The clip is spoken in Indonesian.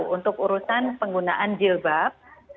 untuk urusan penggunaan jilbab